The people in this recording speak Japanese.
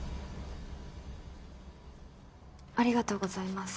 ありがとうございます。